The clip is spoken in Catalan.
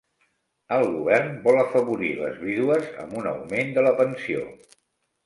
El govern vol afavorir les vídues amb un augment de la pensió.